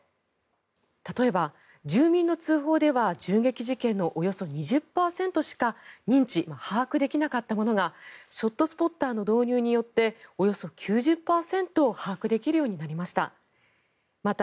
例えば、住民の通報では銃撃事件のおよそ２０％しか認知、把握できなかったものがショットスポッターの導入によっておよそ９０％把握できるようになりました。